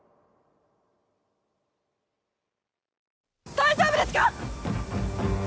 大丈夫ですか！？